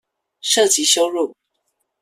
涉及羞辱